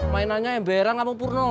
mainannya embera kamu purno